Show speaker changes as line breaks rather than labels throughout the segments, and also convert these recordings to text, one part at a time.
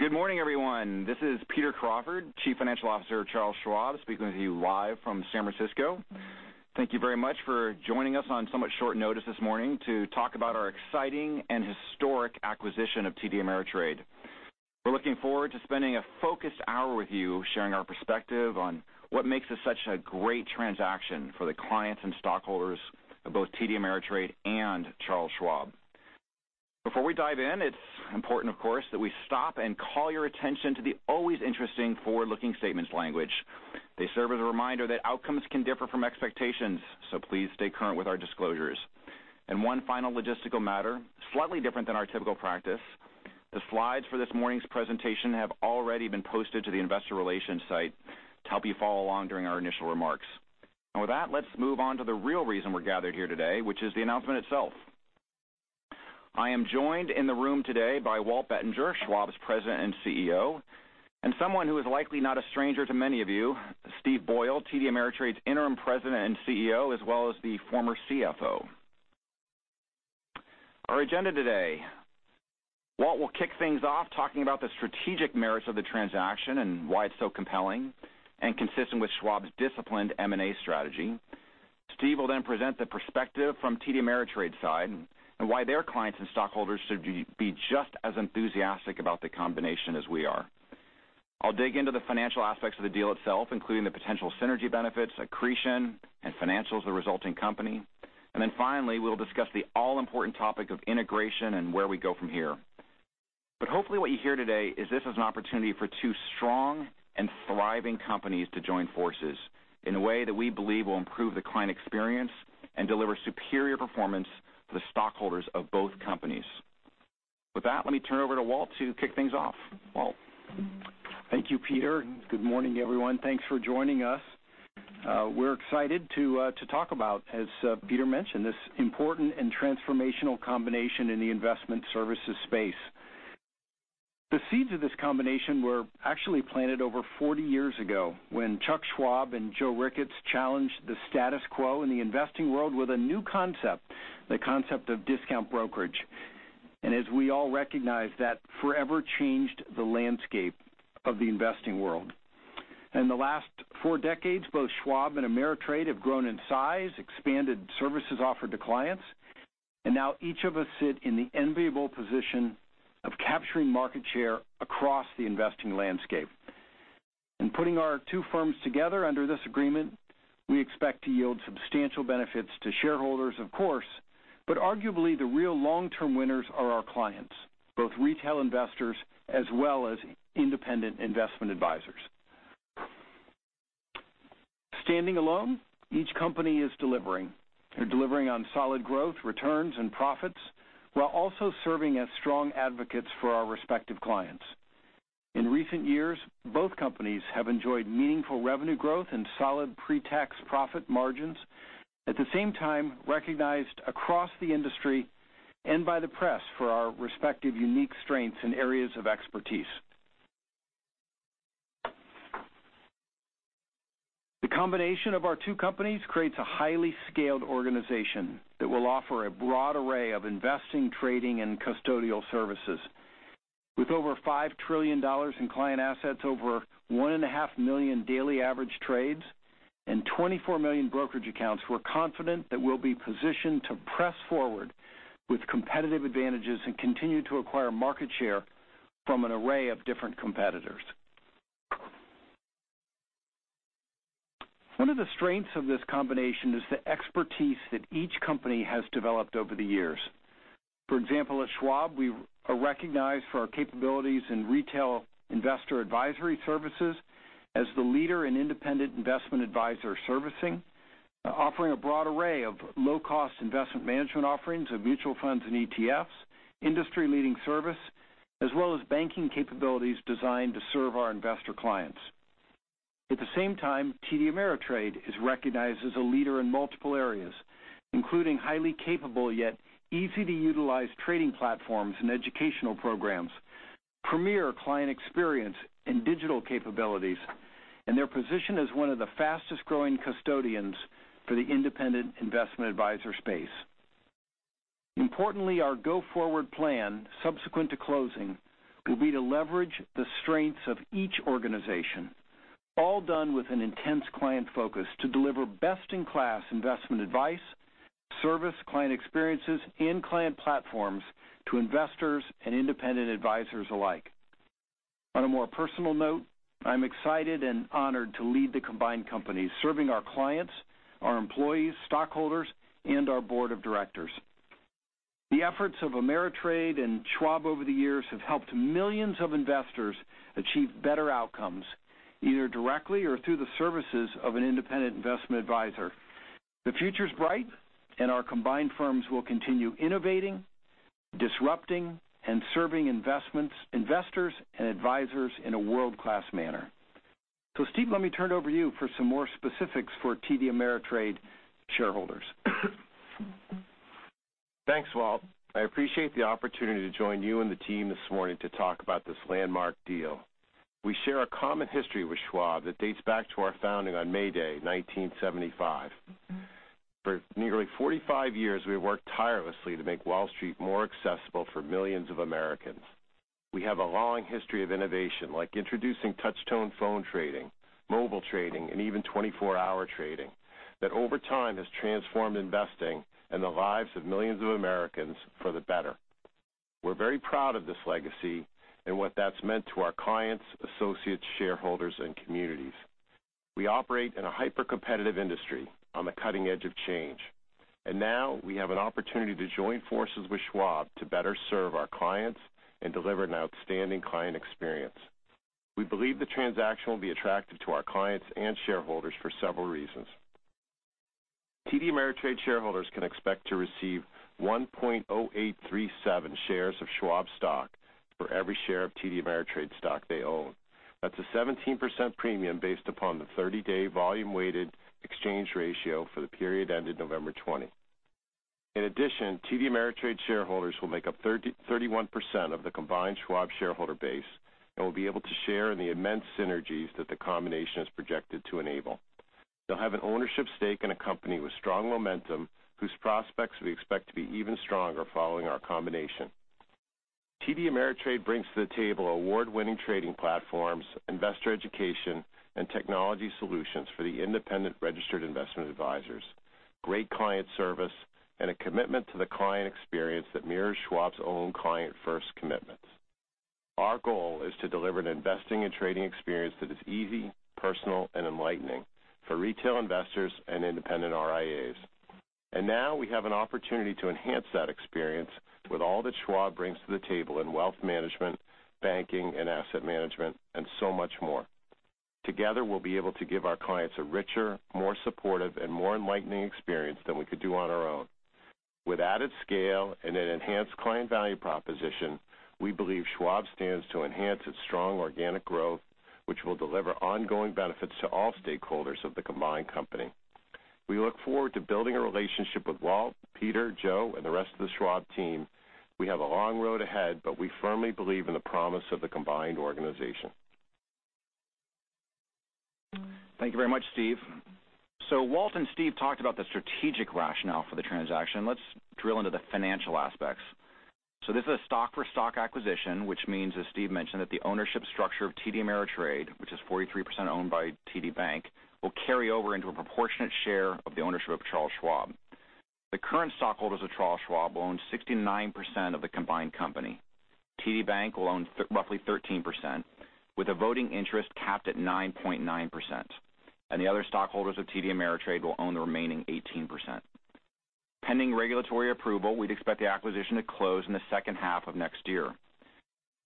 Good morning, everyone. This is Peter Crawford, Chief Financial Officer at Charles Schwab, speaking with you live from San Francisco. Thank you very much for joining us on somewhat short notice this morning to talk about our exciting and historic acquisition of TD Ameritrade. We're looking forward to spending a focused hour with you, sharing our perspective on what makes this such a great transaction for the clients and stockholders of both TD Ameritrade and Charles Schwab. Before we dive in, it's important, of course, that we stop and call your attention to the always interesting forward-looking statements language. They serve as a reminder that outcomes can differ from expectations, so please stay current with our disclosures. One final logistical matter, slightly different than our typical practice, the slides for this morning's presentation have already been posted to the Investor Relations site to help you follow along during our initial remarks. With that, let's move on to the real reason we're gathered here today, which is the announcement itself. I am joined in the room today by Walt Bettinger, Schwab's President and CEO, and someone who is likely not a stranger to many of you, Steve Boyle, TD Ameritrade's Interim President and CEO, as well as the former CFO. Our agenda today, Walt will kick things off talking about the strategic merits of the transaction and why it's so compelling and consistent with Schwab's disciplined M&A strategy. Steve will then present the perspective from TD Ameritrade's side and why their clients and stockholders should be just as enthusiastic about the combination as we are. I'll dig into the financial aspects of the deal itself, including the potential synergy benefits, accretion, and financials of the resulting company. Finally, we'll discuss the all-important topic of integration and where we go from here. Hopefully what you hear today is this is an opportunity for two strong and thriving companies to join forces in a way that we believe will improve the client experience and deliver superior performance for the stockholders of both companies. With that, let me turn it over to Walt to kick things off. Walt.
Thank you, Peter. Good morning, everyone. Thanks for joining us. We're excited to talk about, as Peter mentioned, this important and transformational combination in the investment services space. The seeds of this combination were actually planted over 40 years ago when Chuck Schwab and Joe Ricketts challenged the status quo in the investing world with a new concept, the concept of discount brokerage. As we all recognize, that forever changed the landscape of the investing world. In the last four decades, both Schwab and Ameritrade have grown in size, expanded services offered to clients, and now each of us sit in the enviable position of capturing market share across the investing landscape. In putting our two firms together under this agreement, we expect to yield substantial benefits to shareholders, of course, but arguably the real long-term winners are our clients, both retail investors as well as independent investment advisors. Standing alone, each company is delivering. They're delivering on solid growth, returns, and profits, while also serving as strong advocates for our respective clients. In recent years, both companies have enjoyed meaningful revenue growth and solid pre-tax profit margins, at the same time, recognized across the industry and by the press for our respective unique strengths and areas of expertise. The combination of our two companies creates a highly scaled organization that will offer a broad array of investing, trading, and custodial services. With over $5 trillion in client assets, over 1.5 million daily average trades, and 24 million brokerage accounts, we're confident that we'll be positioned to press forward with competitive advantages and continue to acquire market share from an array of different competitors. One of the strengths of this combination is the expertise that each company has developed over the years. For example, at Schwab, we are recognized for our capabilities in retail investor advisory services as the leader in independent investment advisor servicing, offering a broad array of low-cost investment management offerings of mutual funds and ETFs, industry-leading service, as well as banking capabilities designed to serve our investor clients. At the same time, TD Ameritrade is recognized as a leader in multiple areas, including highly capable yet easy-to-utilize trading platforms and educational programs, premier client experience and digital capabilities, and their position as one of the fastest-growing custodians for the independent investment advisor space. Importantly, our go-forward plan subsequent to closing will be to leverage the strengths of each organization, all done with an intense client focus to deliver best-in-class investment advice, service, client experiences, and client platforms to investors and independent advisors alike. On a more personal note, I'm excited and honored to lead the combined companies, serving our clients, our employees, stockholders, and our board of directors. The efforts of Ameritrade and Schwab over the years have helped millions of investors achieve better outcomes, either directly or through the services of an independent investment advisor. The future's bright, and our combined firms will continue innovating, disrupting, and serving investors and advisors in a world-class manner. Steve, let me turn it over to you for some more specifics for TD Ameritrade shareholders.
Thanks, Walt. I appreciate the opportunity to join you and the team this morning to talk about this landmark deal. We share a common history with Schwab that dates back to our founding on May Day 1975. For nearly 45 years, we have worked tirelessly to make Wall Street more accessible for millions of Americans. We have a long history of innovation, like introducing touch-tone phone trading, mobile trading, and even 24-hour trading, that over time has transformed investing and the lives of millions of Americans for the better. We're very proud of this legacy and what that's meant to our clients, associates, shareholders, and communities. Now we have an opportunity to join forces with Schwab to better serve our clients and deliver an outstanding client experience. We believe the transaction will be attractive to our clients and shareholders for several reasons. TD Ameritrade shareholders can expect to receive 1.0837 shares of Schwab stock for every share of TD Ameritrade stock they own. That's a 17% premium based upon the 30-day volume-weighted exchange ratio for the period ended November 20. In addition, TD Ameritrade shareholders will make up 31% of the combined Schwab shareholder base and will be able to share in the immense synergies that the combination is projected to enable. They'll have an ownership stake in a company with strong momentum, whose prospects we expect to be even stronger following our combination. TD Ameritrade brings to the table award-winning trading platforms, investor education, and technology solutions for the independent Registered Investment Advisors, great client service, and a commitment to the client experience that mirrors Schwab's own client-first commitments. Our goal is to deliver an investing and trading experience that is easy, personal, and enlightening for retail investors and independent RIAs. Now we have an opportunity to enhance that experience with all that Schwab brings to the table in wealth management, banking, and asset management, and so much more. Together, we'll be able to give our clients a richer, more supportive, and more enlightening experience than we could do on our own. With added scale and an enhanced client value proposition, we believe Schwab stands to enhance its strong organic growth, which will deliver ongoing benefits to all stakeholders of the combined company. We look forward to building a relationship with Walt, Peter, Joe, and the rest of the Schwab team. We have a long road ahead, we firmly believe in the promise of the combined organization.
Thank you very much, Steve. Walt and Steve talked about the strategic rationale for the transaction. Let's drill into the financial aspects. This is a stock-for-stock acquisition, which means, as Steve mentioned, that the ownership structure of TD Ameritrade, which is 43% owned by TD Bank, will carry over into a proportionate share of the ownership of Charles Schwab. The current stockholders of Charles Schwab will own 69% of the combined company. TD Bank will own roughly 13%, with a voting interest capped at 9.9%, and the other stockholders of TD Ameritrade will own the remaining 18%. Pending regulatory approval, we'd expect the acquisition to close in the second half of next year.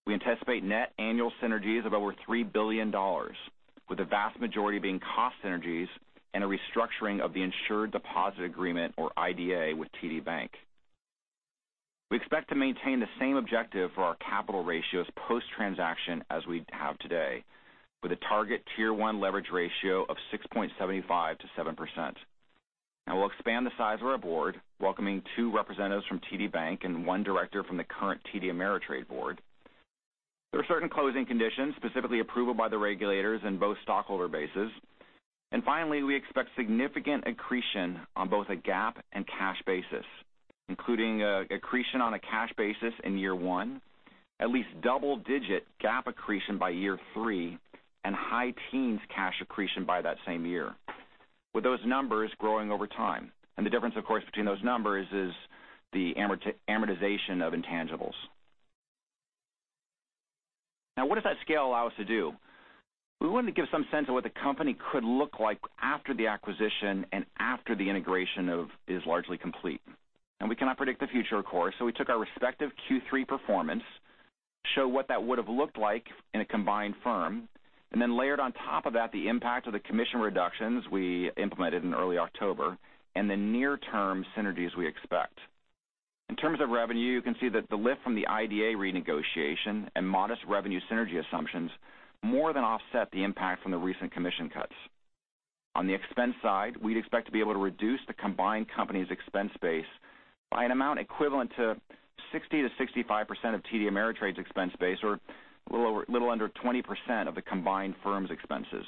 We anticipate net annual synergies of over $3 billion, with the vast majority being cost synergies and a restructuring of the Insured Deposit Agreement, or IDA, with TD Bank. We expect to maintain the same objective for our capital ratios post-transaction as we have today, with a target Tier 1 leverage ratio of 6.75%-7%. Now we'll expand the size of our board, welcoming two representatives from TD Bank and one director from the current TD Ameritrade board. There are certain closing conditions, specifically approval by the regulators and both stockholder bases. Finally, we expect significant accretion on both a GAAP and cash basis, including accretion on a cash basis in year one, at least double-digit GAAP accretion by year three, and high teens cash accretion by that same year, with those numbers growing over time. The difference, of course, between those numbers is the amortization of intangibles. Now, what does that scale allow us to do? We wanted to give some sense of what the company could look like after the acquisition and after the integration is largely complete. We cannot predict the future, of course, so we took our respective Q3 performance to show what that would have looked like in a combined firm, and then layered on top of that the impact of the commission reductions we implemented in early October and the near-term synergies we expect. In terms of revenue, you can see that the lift from the IDA renegotiation and modest revenue synergy assumptions more than offset the impact from the recent commission cuts. On the expense side, we'd expect to be able to reduce the combined company's expense base by an amount equivalent to 60%-65% of TD Ameritrade's expense base, or a little under 20% of the combined firm's expenses,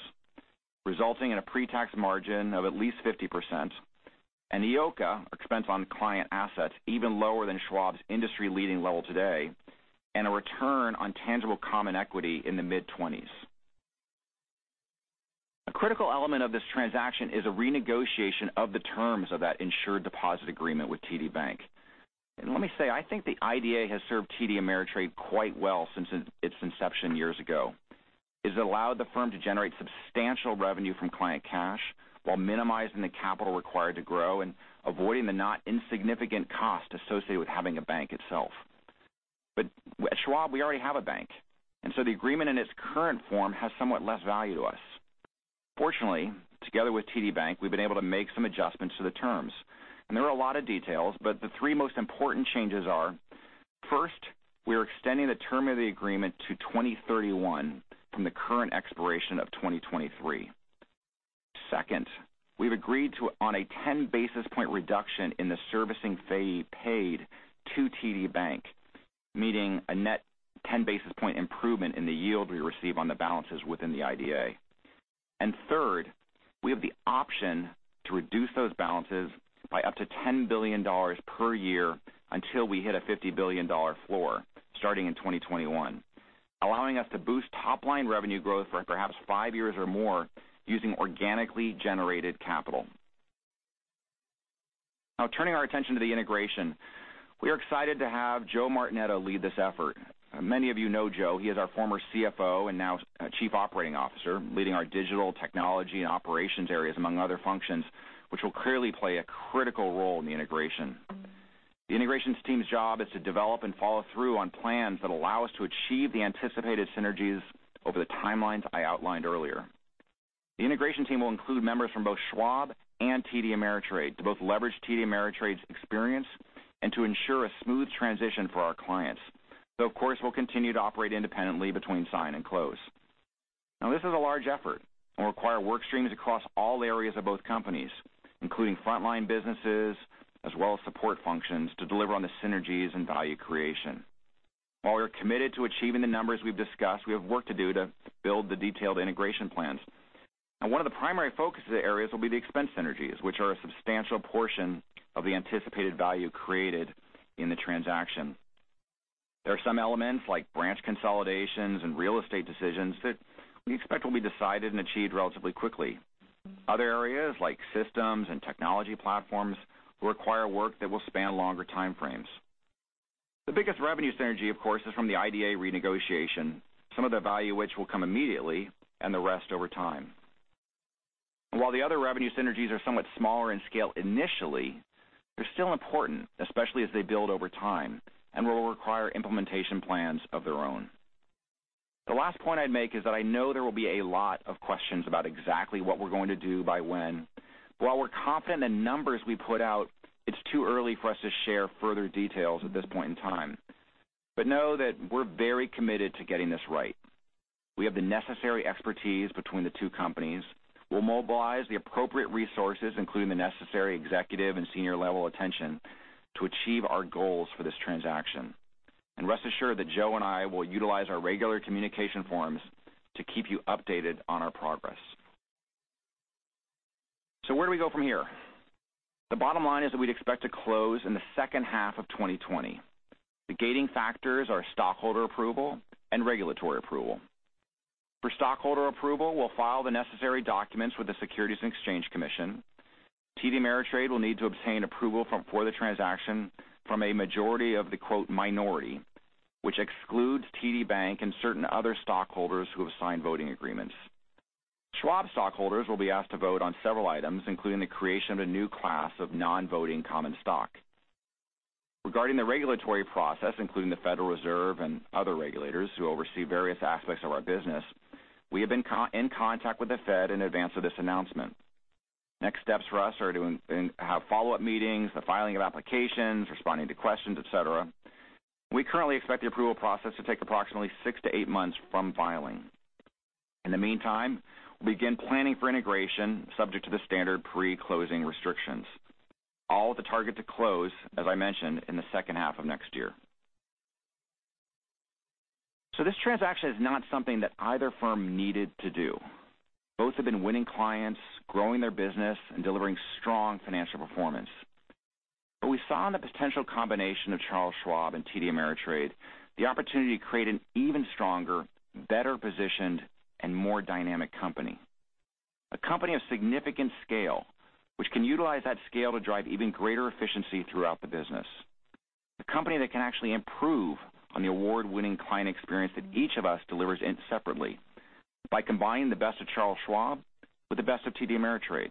resulting in a pre-tax margin of at least 50% and EOCA, expense on client assets, even lower than Schwab's industry-leading level today, and a return on tangible common equity in the mid-20s. A critical element of this transaction is a renegotiation of the terms of Insured Deposit Agreement with TD Bank. Let me say, I think the IDA has served TD Ameritrade quite well since its inception years ago. It has allowed the firm to generate substantial revenue from client cash while minimizing the capital required to grow and avoiding the not insignificant cost associated with having a bank itself. At Schwab, we already have a bank. The agreement in its current form has somewhat less value to us. Fortunately, together with TD Bank, we've been able to make some adjustments to the terms, and there are a lot of details, but the three most important changes are: First, we are extending the term of the agreement to 2031 from the current expiration of 2023. Second, we've agreed to a 10 basis point reduction in the servicing fee paid to TD Bank, meaning a net 10 basis point improvement in the yield we receive on the balances within the IDA. Third, we have the option to reduce those balances by up to $10 billion per year until we hit a $50 billion floor starting in 2021, allowing us to boost top-line revenue growth for perhaps five years or more using organically generated capital. Now turning our attention to the integration. We are excited to have Joe Martinetto lead this effort. Many of you know Joe, he is our former CFO and now Chief Operating Officer, leading our digital technology and operations areas, among other functions, which will clearly play a critical role in the integration. The integration team's job is to develop and follow through on plans that allow us to achieve the anticipated synergies over the timelines I outlined earlier. The integration team will include members from both Schwab and TD Ameritrade to both leverage TD Ameritrade's experience and to ensure a smooth transition for our clients. Though, of course, we'll continue to operate independently between sign and close. Now, this is a large effort and will require work streams across all areas of both companies, including frontline businesses as well as support functions, to deliver on the synergies and value creation. While we are committed to achieving the numbers we've discussed, we have work to do to build the detailed integration plans. One of the primary focus areas will be the expense synergies, which are a substantial portion of the anticipated value created in the transaction. There are some elements, like branch consolidations and real estate decisions, that we expect will be decided and achieved relatively quickly. Other areas, like systems and technology platforms, will require work that will span longer time frames. The biggest revenue synergy, of course, is from the IDA renegotiation, some of the value which will come immediately, and the rest over time. While the other revenue synergies are somewhat smaller in scale initially, they're still important, especially as they build over time, and will require implementation plans of their own. The last point I'd make is that I know there will be a lot of questions about exactly what we're going to do by when. While we're confident in the numbers we put out, it's too early for us to share further details at this point in time. Know that we're very committed to getting this right. We have the necessary expertise between the two companies. We'll mobilize the appropriate resources, including the necessary executive and senior-level attention, to achieve our goals for this transaction. Rest assured that Joe and I will utilize our regular communication forums to keep you updated on our progress. Where do we go from here? The bottom line is that we'd expect to close in the second half of 2020. The gating factors are stockholder approval and regulatory approval. For stockholder approval, we'll file the necessary documents with the Securities and Exchange Commission. TD Ameritrade will need to obtain approval for the transaction from a majority of the, quote, "minority," which excludes TD Bank and certain other stockholders who have signed voting agreements. Schwab stockholders will be asked to vote on several items, including the creation of a new class of non-voting common stock. Regarding the regulatory process, including the Federal Reserve and other regulators who oversee various aspects of our business, we have been in contact with the Fed in advance of this announcement. Next steps for us are to have follow-up meetings, the filing of applications, responding to questions, et cetera. We currently expect the approval process to take approximately six to eight months from filing. In the meantime, we'll begin planning for integration subject to the standard pre-closing restrictions. All with the target to close, as I mentioned, in the second half of next year. This transaction is not something that either firm needed to do. Both have been winning clients, growing their business, and delivering strong financial performance. We saw in the potential combination of Charles Schwab and TD Ameritrade the opportunity to create an even stronger, better-positioned, and more dynamic company. A company of significant scale, which can utilize that scale to drive even greater efficiency throughout the business. A company that can actually improve on the award-winning client experience that each of us delivers separately by combining the best of Charles Schwab with the best of TD Ameritrade.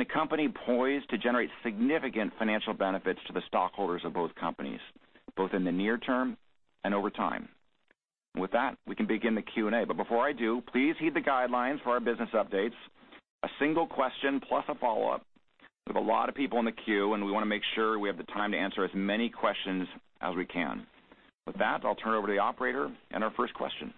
A company poised to generate significant financial benefits to the stockholders of both companies, both in the near term and over time. With that, we can begin the Q&A. Before I do, please heed the guidelines for our business updates. A single question, plus a follow-up. We have a lot of people in the queue, and we want to make sure we have the time to answer as many questions as we can. With that, I'll turn it over to the operator and our first question.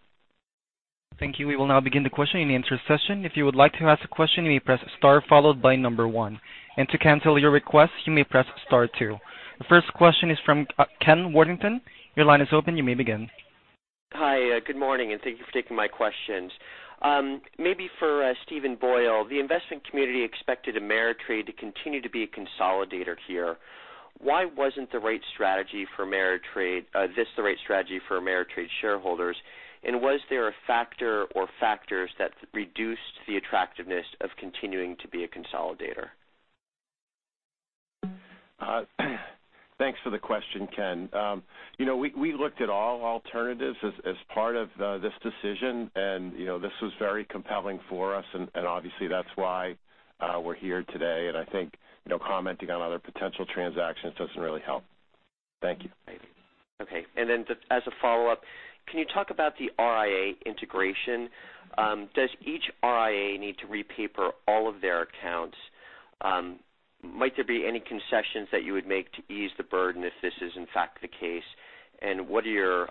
Thank you. We will now begin the question-and-answer session. If you would like to ask a question, you may press star followed by number one. To cancel your request, you may press star two. The first question is from Ken Worthington. Your line is open. You may begin.
Hi, good morning, thank you for taking my questions. Maybe for Steve Boyle. The investment community expected Ameritrade to continue to be a consolidator here. Why wasn't this the right strategy for Ameritrade shareholders? Was there a factor or factors that reduced the attractiveness of continuing to be a consolidator?
Thanks for the question, Ken. We looked at all alternatives as part of this decision and this was very compelling for us. Obviously that's why we're here today. I think commenting on other potential transactions doesn't really help. Thank you.
Okay. As a follow-up, can you talk about the RIA integration? Does each RIA need to repaper all of their accounts? Might there be any concessions that you would make to ease the burden if this is in fact the case? What are your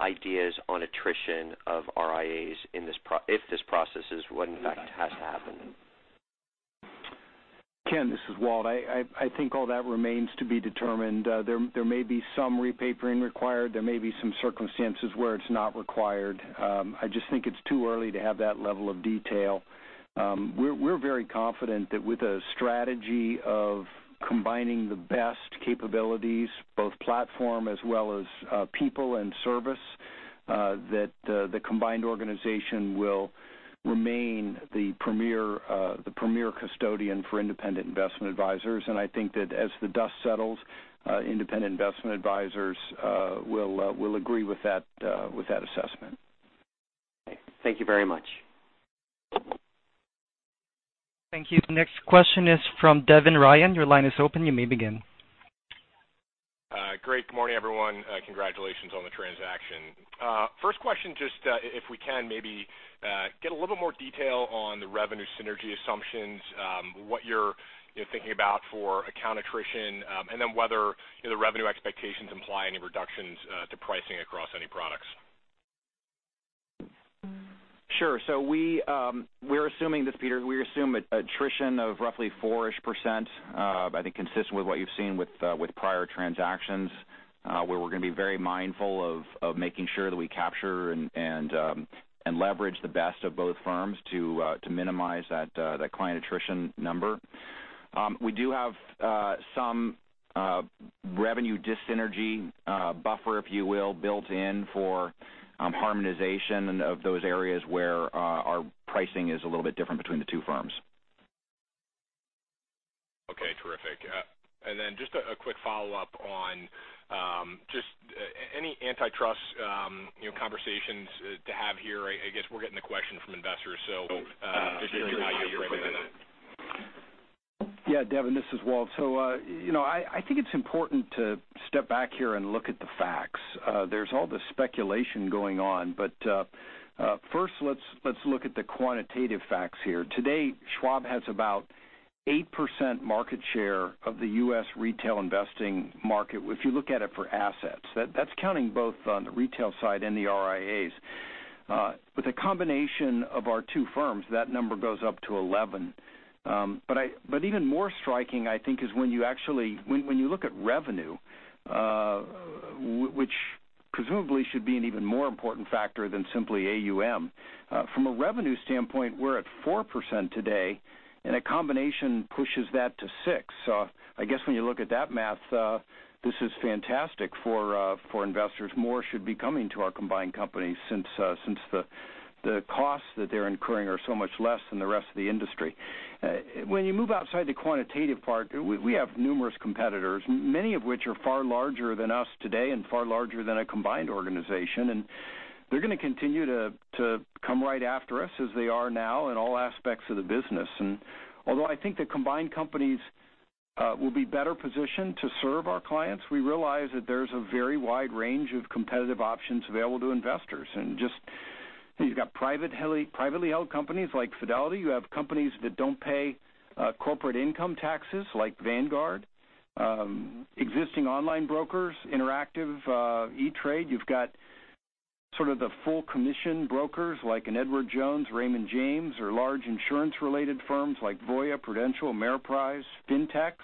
ideas on attrition of RIAs if this process is what in fact has to happen?
Ken, this is Walt. I think all that remains to be determined. There may be some repapering required. There may be some circumstances where it's not required. I just think it's too early to have that level of detail. We're very confident that with a strategy of combining the best capabilities, both platform as well as people and service, that the combined organization will remain the premier custodian for independent investment advisors. I think that as the dust settles, independent investment advisors will agree with that assessment.
Okay. Thank you very much.
Thank you. The next question is from Devin Ryan. Your line is open. You may begin.
Great. Good morning, everyone. Congratulations on the transaction. First question, just if we can maybe get a little bit more detail on the revenue synergy assumptions, what you're thinking about for account attrition, and then whether the revenue expectations imply any reductions to pricing across any products.
Sure. We're assuming, this is Peter, we assume attrition of roughly 4%-ish, I think consistent with what you've seen with prior transactions, where we're going to be very mindful of making sure that we capture and leverage the best of both firms to minimize that client attrition number. We do have some revenue dis-synergy buffer, if you will, built in for harmonization of those areas where our pricing is a little bit different between the two firms.
Okay, terrific. Just a quick follow-up on just any antitrust conversations to have here. I guess we're getting the question from investors. If you could weigh in on that.
Yeah, Devin, this is Walt. I think it's important to step back here and look at the facts. There's all this speculation going on, but first, let's look at the quantitative facts here. Today, Schwab has about 8% market share of the U.S. retail investing market, if you look at it for assets. That's counting both on the retail side and the RIAs. With a combination of our two firms, that number goes up to 11. Even more striking, I think, is when you look at revenue, which presumably should be an even more important factor than simply AUM. From a revenue standpoint, we're at 4% today, and a combination pushes that to 6%. I guess when you look at that math, this is fantastic for investors. More should be coming to our combined company since the costs that they're incurring are so much less than the rest of the industry. When you move outside the quantitative part, we have numerous competitors, many of which are far larger than us today and far larger than a combined organization. They're going to continue to come right after us as they are now in all aspects of the business. Although I think the combined companies will be better positioned to serve our clients, we realize that there's a very wide range of competitive options available to investors. You've got privately held companies like Fidelity. You have companies that don't pay corporate income taxes, like Vanguard, existing online brokers, Interactive, E*TRADE. You've got sort of the full commission brokers like an Edward Jones, Raymond James, or large insurance-related firms like Voya, Prudential, Ameriprise, Fintechs,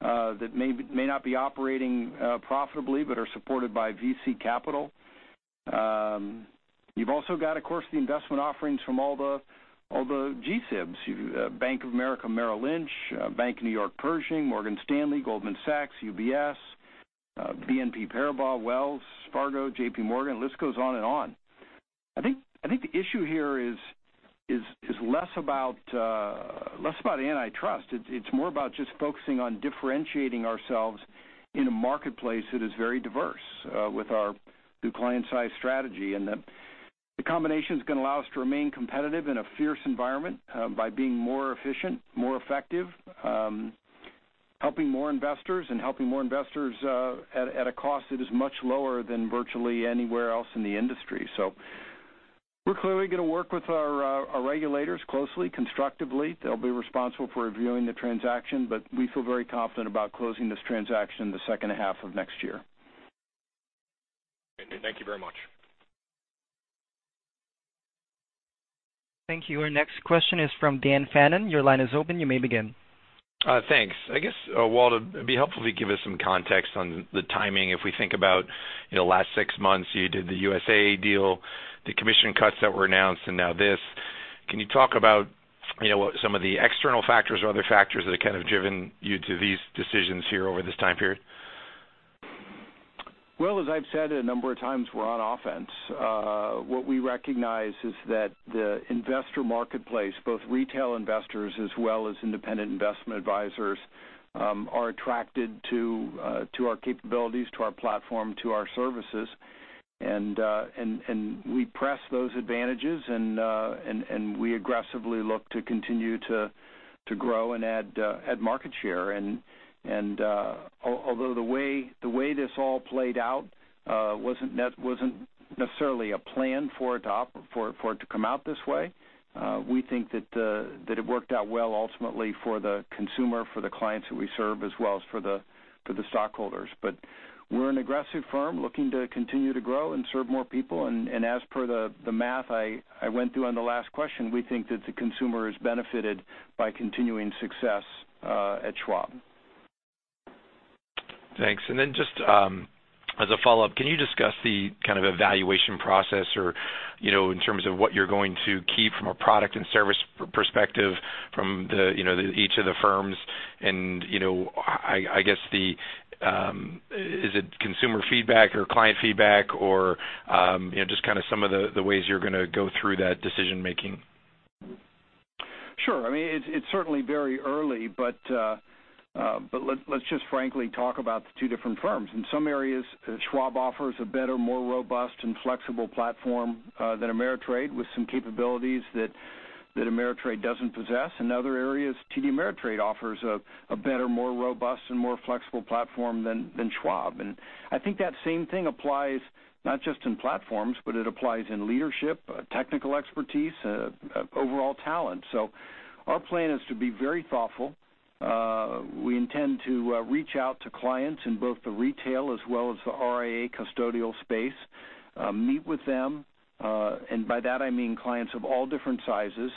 that may not be operating profitably but are supported by VC capital. You've also got, of course, the investment offerings from all the G-SIBs, Bank of America, Merrill Lynch, BNY Pershing, Morgan Stanley, Goldman Sachs, UBS, BNP Paribas, Wells Fargo, JPMorgan. The list goes on and on. I think the issue here is less about antitrust. It's more about just focusing on differentiating ourselves in a marketplace that is very diverse with our new client size strategy. The combination is going to allow us to remain competitive in a fierce environment by being more efficient, more effective, helping more investors and helping more investors at a cost that is much lower than virtually anywhere else in the industry. We're clearly going to work with our regulators closely, constructively. They'll be responsible for reviewing the transaction, but we feel very confident about closing this transaction the second half of next year.
Thank you very much.
Thank you. Our next question is from Dan Fannon. Your line is open. You may begin.
Thanks. I guess, Walt, it'd be helpful if you give us some context on the timing. If we think about the last six months, you did the USAA deal, the commission cuts that were announced, and now this. Can you talk about some of the external factors or other factors that have kind of driven you to these decisions here over this time period?
Well, as I've said a number of times, we're on offense. What we recognize is that the investor marketplace, both retail investors as well as independent investment advisors, are attracted to our capabilities, to our platform, to our services. We press those advantages, and we aggressively look to continue to grow and add market share. Although the way this all played out wasn't necessarily a plan for it to come out this way, we think that it worked out well ultimately for the consumer, for the clients that we serve, as well as for the stockholders. We're an aggressive firm looking to continue to grow and serve more people. As per the math I went through on the last question, we think that the consumer has benefited by continuing success at Schwab.
Thanks. Then just as a follow-up, can you discuss the kind of evaluation process or, in terms of what you're going to keep from a product and service perspective from each of the firms and, I guess, is it consumer feedback or client feedback or just kind of some of the ways you're going to go through that decision-making?
Sure. It's certainly very early, let's just frankly talk about the two different firms. In some areas, Schwab offers a better, more robust and flexible platform than Ameritrade, with some capabilities that Ameritrade doesn't possess. In other areas, TD Ameritrade offers a better, more robust and more flexible platform than Schwab. I think that same thing applies not just in platforms, but it applies in leadership, technical expertise, overall talent. Our plan is to be very thoughtful. We intend to reach out to clients in both the retail as well as the RIA custodial space, meet with them. By that I mean clients of all different sizes,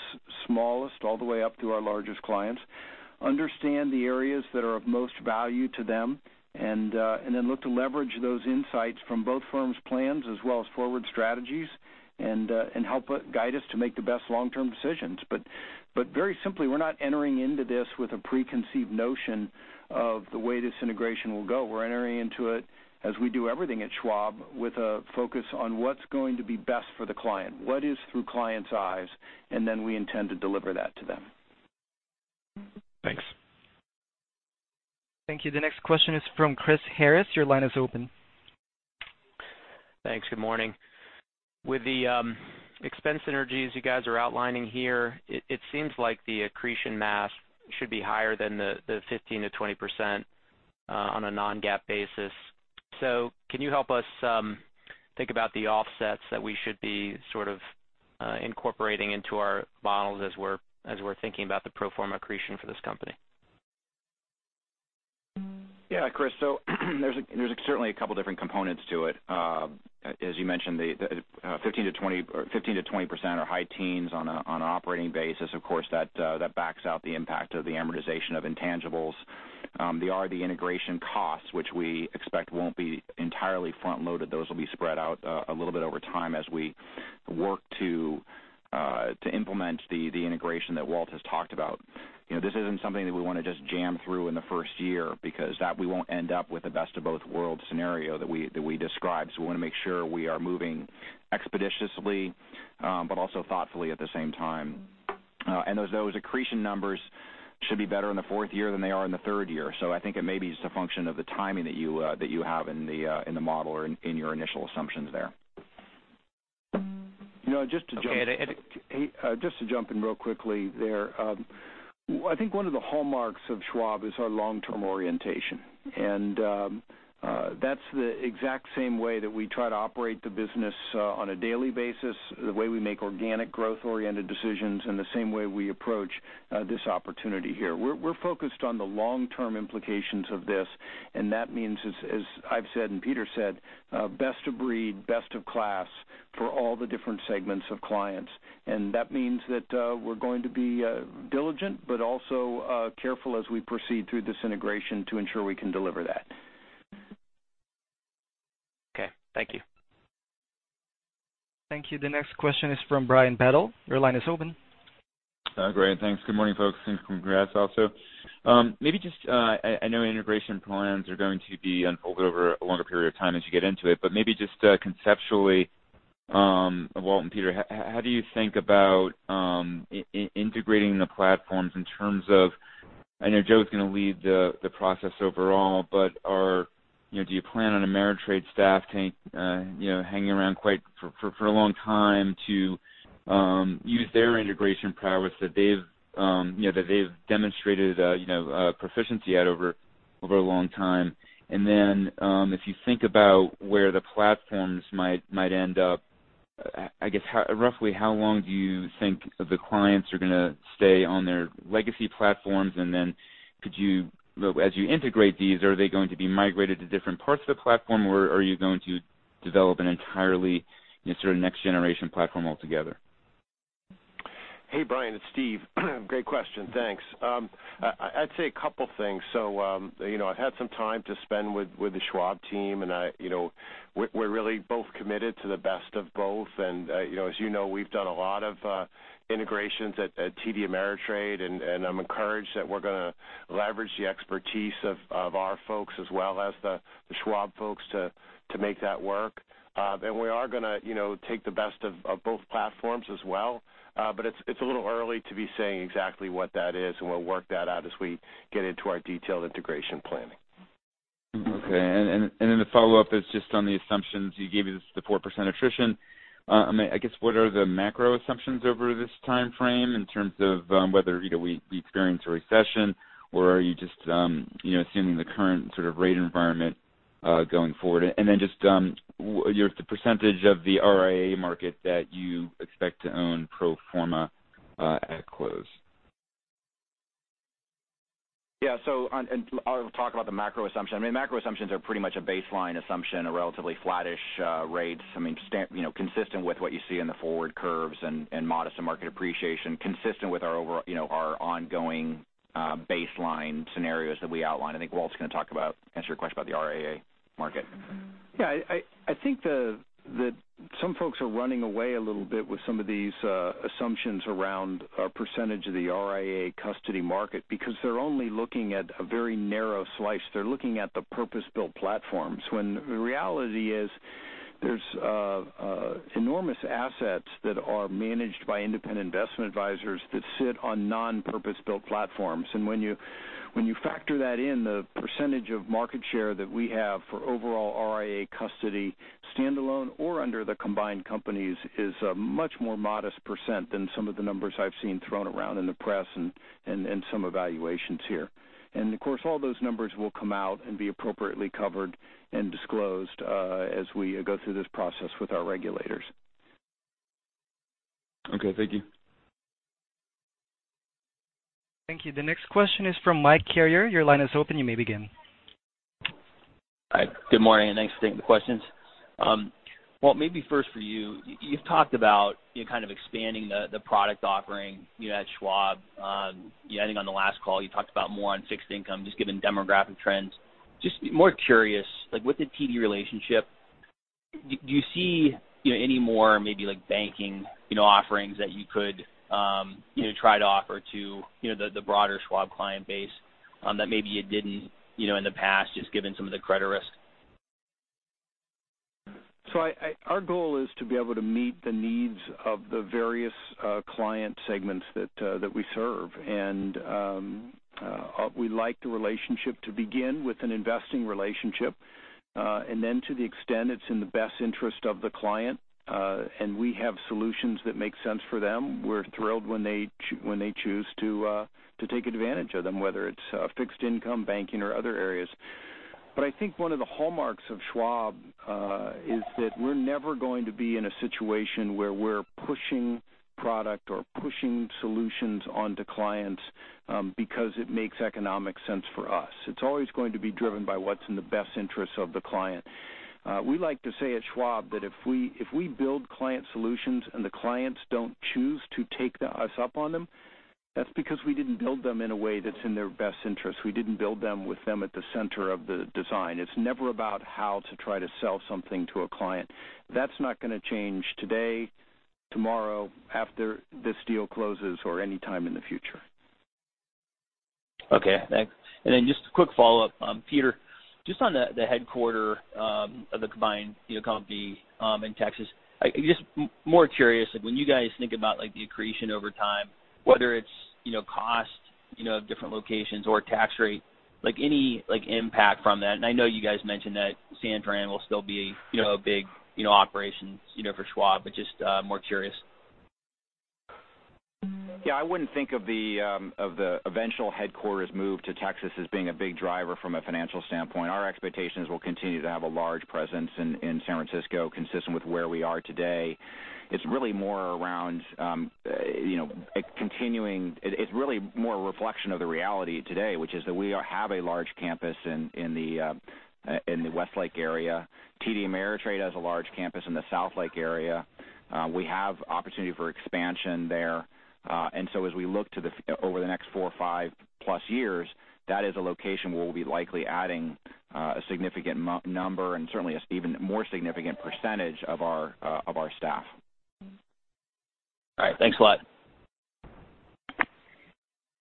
smallest all the way up to our largest clients. Understand the areas that are of most value to them, and then look to leverage those insights from both firms' plans as well as forward strategies, and help guide us to make the best long-term decisions. Very simply, we're not entering into this with a preconceived notion of the way this integration will go. We're entering into it, as we do everything at Schwab, with a focus on what's going to be best for the client, what is through clients' eyes, and then we intend to deliver that to them.
Thanks.
Thank you. The next question is from Chris Harris. Your line is open.
Thanks. Good morning. With the expense synergies you guys are outlining here, it seems like the accretion math should be higher than the 15%-20% on a non-GAAP basis. Can you help us think about the offsets that we should be sort of incorporating into our models as we're thinking about the pro forma accretion for this company?
Yeah, Chris, there's certainly a couple different components to it. As you mentioned, the 15%-20% or high teens on an operating basis, of course, that backs out the impact of the amortization of intangibles. There are the integration costs, which we expect won't be entirely front-loaded. Those will be spread out a little bit over time as we work to implement the integration that Walt has talked about. This isn't something that we want to just jam through in the first year because that we won't end up with the best of both worlds scenario that we described. We want to make sure we are moving expeditiously, but also thoughtfully at the same time. Those accretion numbers should be better in the fourth year than they are in the third year. I think it may be just a function of the timing that you have in the model or in your initial assumptions there.
Just to jump in real quickly there. I think one of the hallmarks of Schwab is our long-term orientation, and that's the exact same way that we try to operate the business on a daily basis, the way we make organic growth-oriented decisions, and the same way we approach this opportunity here. We're focused on the long-term implications of this, and that means, as I've said and Peter said, best of breed, best of class for all the different segments of clients. That means that we're going to be diligent but also careful as we proceed through this integration to ensure we can deliver that.
Okay. Thank you.
Thank you. The next question is from Brian Bedell. Your line is open.
Great. Thanks. Good morning, folks, and congrats also. I know integration plans are going to be unfolded over a longer period of time as you get into it, but maybe just conceptually, Walt and Peter, how do you think about integrating the platforms in terms of, I know Joe's going to lead the process overall, but do you plan on Ameritrade staff hanging around for a long time to use their integration prowess that they've demonstrated proficiency at over a long time? If you think about where the platforms might end up, I guess, roughly how long do you think the clients are going to stay on their legacy platforms? As you integrate these, are they going to be migrated to different parts of the platform or are you going to develop an entirely next generation platform altogether?
Hey, Brian, it's Steve. Great question. Thanks. I'd say a couple things. I had some time to spend with the Schwab team, and we're really both committed to the best of both. As you know, we've done a lot of integrations at TD Ameritrade, and I'm encouraged that we're going to leverage the expertise of our folks as well as the Schwab folks to make that work. We are going to take the best of both platforms as well. It's a little early to be saying exactly what that is, and we'll work that out as we get into our detailed integration planning.
Okay. The follow-up is just on the assumptions. You gave us the 4% attrition. I guess, what are the macro assumptions over this timeframe in terms of whether we experience a recession or are you just assuming the current sort of rate environment going forward? Just the percentage of the RIA market that you expect to own pro forma at close.
I'll talk about the macro assumption. I mean, macro assumptions are pretty much a baseline assumption, a relatively flattish rates, consistent with what you see in the forward curves and modest in market appreciation, consistent with our ongoing baseline scenarios that we outline. I think Walt's going to answer your question about the RIA market.
Yeah. I think that some folks are running away a little bit with some of these assumptions around a percentage of the RIA custody market because they're only looking at a very narrow slice. They're looking at the purpose-built platforms when the reality is there's enormous assets that are managed by independent investment advisors that sit on non-purpose-built platforms. When you factor that in, the percentage of market share that we have for overall RIA custody, standalone or under the combined companies, is a much more modest percent than some of the numbers I've seen thrown around in the press and some evaluations here. Of course, all those numbers will come out and be appropriately covered and disclosed as we go through this process with our regulators.
Okay, thank you.
Thank you. The next question is from Mike Carrier. Your line is open, you may begin.
Hi, good morning, and thanks for taking the questions. Walt, maybe first for you. You've talked about kind of expanding the product offering at Schwab. I think on the last call, you talked about more on fixed income, just given demographic trends. Just more curious, like with the TD relationship, do you see any more maybe like banking offerings that you could try to offer to the broader Schwab client base that maybe you didn't in the past, just given some of the credit risk?
Our goal is to be able to meet the needs of the various client segments that we serve. We like the relationship to begin with an investing relationship. To the extent it's in the best interest of the client, and we have solutions that make sense for them, we're thrilled when they choose to take advantage of them, whether it's fixed income banking or other areas. I think one of the hallmarks of Schwab is that we're never going to be in a situation where we're pushing product or pushing solutions onto clients because it makes economic sense for us. It's always going to be driven by what's in the best interest of the client. We like to say at Schwab that if we build client solutions and the clients don't choose to take us up on them, that's because we didn't build them in a way that's in their best interest. We didn't build them with them at the center of the design. It's never about how to try to sell something to a client. That's not going to change today, tomorrow, after this deal closes, or any time in the future.
Okay, thanks. Just a quick follow-up. Peter, just on the headquarters of the combined company in Texas. I'm just more curious, like when you guys think about the accretion over time, whether it's cost of different locations or tax rate, like any impact from that. I know you guys mentioned that San Fran will still be a big operation for Schwab, but just more curious.
Yeah, I wouldn't think of the eventual headquarters move to Texas as being a big driver from a financial standpoint. Our expectation is we'll continue to have a large presence in San Francisco consistent with where we are today. It's really more a reflection of the reality today, which is that we have a large campus in the Westlake area. TD Ameritrade has a large campus in the Southlake area. We have opportunity for expansion there. As we look over the next four or five plus years, that is a location where we'll be likely adding a significant number and certainly an even more significant percentage of our staff.
All right. Thanks a lot.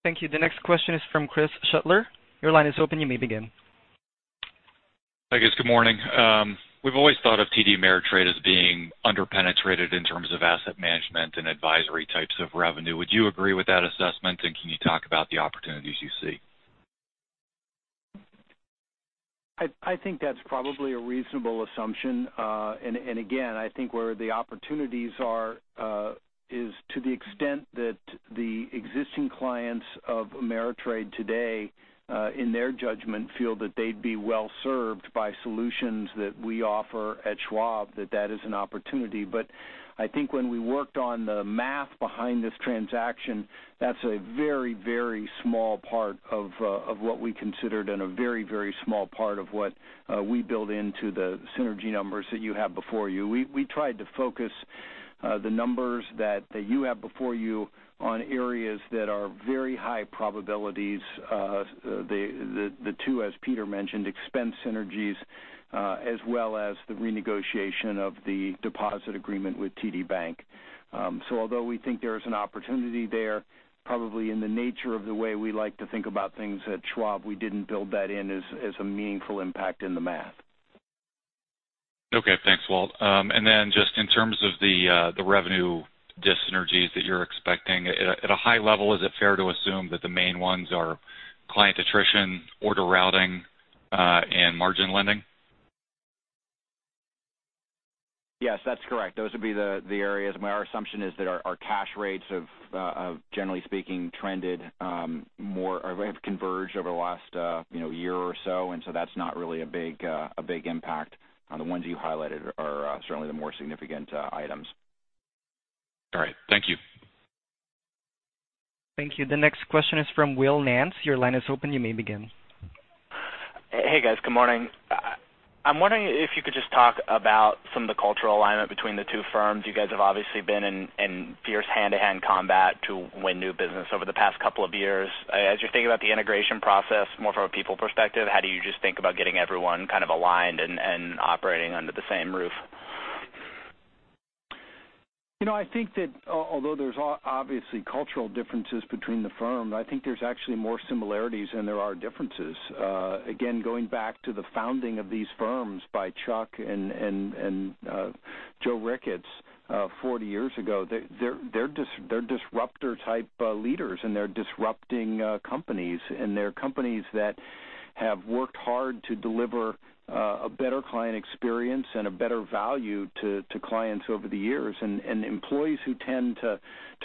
Thank you. The next question is from Chris Shutler. Your line is open, you may begin.
Hey, guys. Good morning. We've always thought of TD Ameritrade as being under-penetrated in terms of asset management and advisory types of revenue. Would you agree with that assessment, and can you talk about the opportunities you see?
I think that's probably a reasonable assumption. Again, I think where the opportunities are is to the extent that the existing clients of Ameritrade today, in their judgment, feel that they'd be well-served by solutions that we offer at Schwab, that that is an opportunity. I think when we worked on the math behind this transaction, that's a very, very small part of what we considered and a very, very small part of what we build into the synergy numbers that you have before you. We tried to focus the numbers that you have before you on areas that are very high probabilities. The two, as Peter mentioned, expense synergies as well as the renegotiation of the deposit agreement with TD Bank. Although we think there is an opportunity there, probably in the nature of the way we like to think about things at Schwab, we didn't build that in as a meaningful impact in the math.
Okay. Thanks, Walt. Just in terms of the revenue dis-synergies that you're expecting, at a high level, is it fair to assume that the main ones are client attrition, order routing, and margin lending?
Yes, that's correct. Those would be the areas. Our assumption is that our cash rates have, generally speaking, converged over the last year or so, and so that's not really a big impact. The ones you highlighted are certainly the more significant items.
All right. Thank you.
Thank you. The next question is from Will Nance. Your line is open. You may begin.
Hey, guys. Good morning. I'm wondering if you could just talk about some of the cultural alignment between the two firms. You guys have obviously been in fierce hand-to-hand combat to win new business over the past couple of years. As you're thinking about the integration process, more from a people perspective, how do you just think about getting everyone kind of aligned and operating under the same roof?
I think that although there's obviously cultural differences between the firms, I think there's actually more similarities than there are differences. Again, going back to the founding of these firms by Chuck and Joe Ricketts 40 years ago, they're disruptor-type leaders, and they're disrupting companies, and they're companies that have worked hard to deliver a better client experience and a better value to clients over the years. Employees who tend to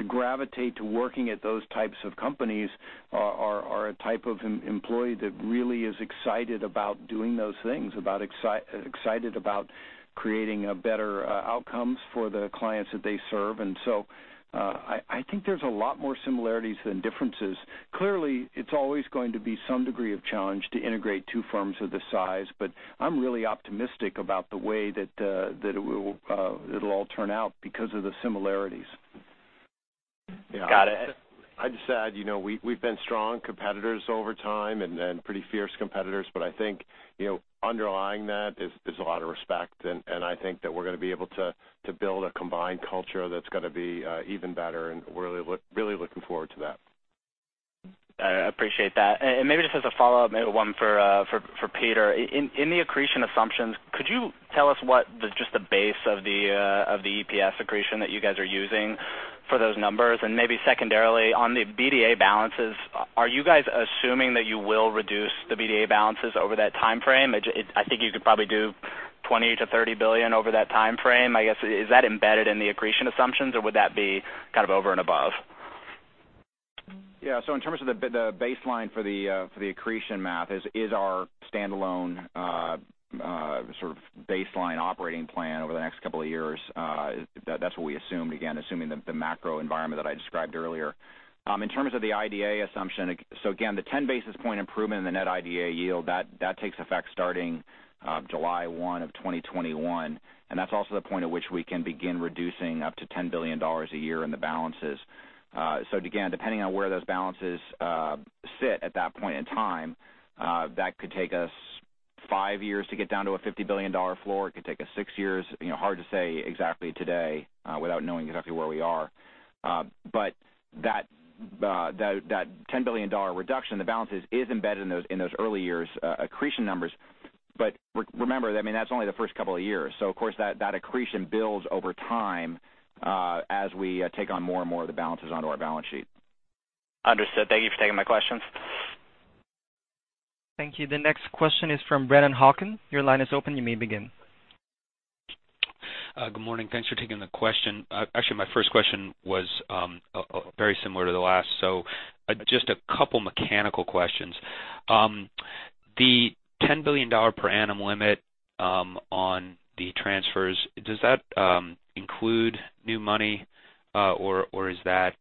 gravitate to working at those types of companies are a type of employee that really is excited about doing those things, excited about creating better outcomes for the clients that they serve, and so I think there's a lot more similarities than differences. Clearly, it's always going to be some degree of challenge to integrate two firms of this size, but I'm really optimistic about the way that it'll all turn out because of the similarities.
Got it.
I'd just add, we've been strong competitors over time and pretty fierce competitors, but I think underlying that, there's a lot of respect, and I think that we're going to be able to build a combined culture that's going to be even better, and we're really looking forward to that.
I appreciate that. Maybe just as a follow-up, maybe one for Peter. In the accretion assumptions, could you tell us what just the base of the EPS accretion that you guys are using for those numbers? Maybe secondarily, on the IDA balances, are you guys assuming that you will reduce the IDA balances over that timeframe? I think you could probably do $20 billion-$30 billion over that timeframe. I guess, is that embedded in the accretion assumptions, or would that be kind of over and above?
Yeah. In terms of the baseline for the accretion math is our standalone sort of baseline operating plan over the next couple of years. That's what we assume, again, assuming the macro environment that I described earlier. In terms of the IDA assumption, again, the 10-basis point improvement in the net IDA yield, that takes effect starting July 1, 2021, and that's also the point at which we can begin reducing up to $10 billion a year in the balances. Again, depending on where those balances sit at that point in time, that could take us five years to get down to a $50 billion floor. It could take us six years. Hard to say exactly today without knowing exactly where we are. That $10 billion reduction in the balances is embedded in those early years' accretion numbers. Remember, I mean, that's only the first couple of years, so of course, that accretion builds over time as we take on more and more of the balances onto our balance sheet.
Understood. Thank you for taking my questions.
Thank you. The next question is from Brennan Hawken. Your line is open. You may begin.
Good morning. Thanks for taking the question. Actually, my first question was very similar to the last. Just a couple mechanical questions. The $10 billion per annum limit on the transfers, does that include new money, or is that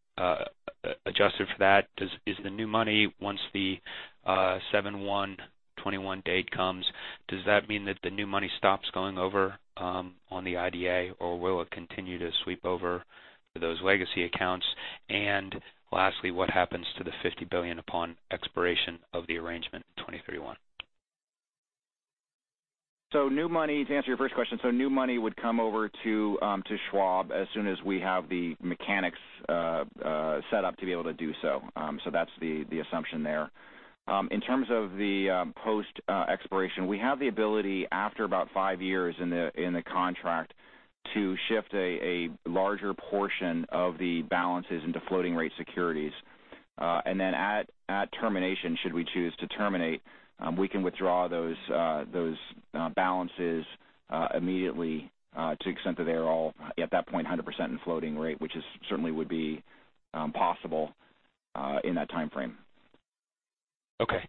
adjusted for that? Is the new money, once the July 1, 2021 date comes, does that mean that the new money stops going over on the IDA, or will it continue to sweep over to those legacy accounts? Lastly, what happens to the $50 billion upon expiration of the arrangement in 2031?
To answer your first question, new money would come over to Schwab as soon as we have the mechanics set up to be able to do so. That's the assumption there. In terms of the post-expiration, we have the ability, after about five years in the contract, to shift a larger portion of the balances into floating-rate securities. At termination, should we choose to terminate, we can withdraw those balances immediately to the extent that they are all, at that point, 100% in floating-rate, which certainly would be possible in that timeframe.
Okay.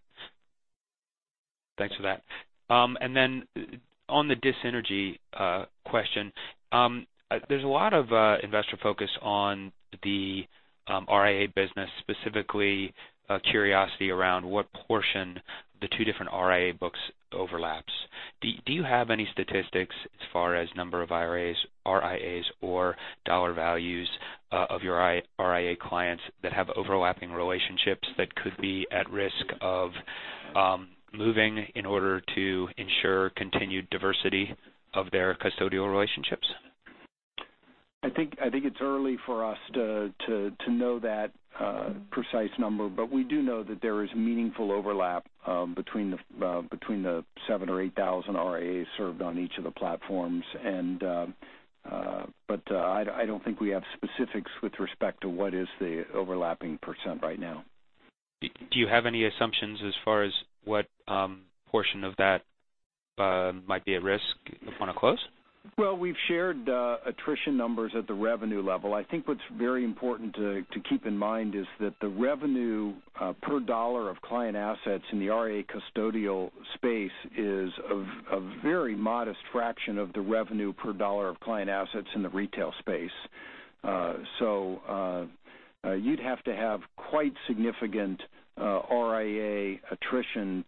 Thanks for that. On the dis-synergy question, there's a lot of investor focus on the RIA business, specifically curiosity around what portion the two different RIA books overlaps. Do you have any statistics as far as number of IRAs, RIAs, or dollar values of your RIA clients that have overlapping relationships that could be at risk of moving in order to ensure continued diversity of their custodial relationships?
I think it's early for us to know that precise number, but we do know that there is meaningful overlap between the 7,000 or 8,000 RIAs served on each of the platforms. I don't think we have specifics with respect to what is the overlapping percent right now.
Do you have any assumptions as far as what portion of that might be at risk upon a close?
We've shared attrition numbers at the revenue level. I think what's very important to keep in mind is that the revenue per dollar of client assets in the RIA custodial space is a very modest fraction of the revenue per dollar of client assets in the retail space. You'd have to have quite significant RIA attrition